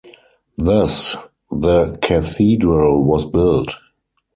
Thus the cathedral was built.